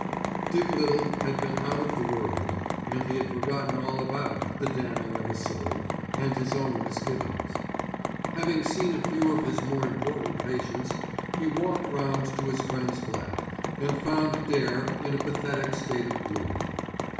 Dick Little had been out of the world, and he had forgotten all about The Damning of a Soul and his own misgivings. Having seen a few of his more important patients, he walked round to his friend's flat and found Dare in a pathetic state of gloom.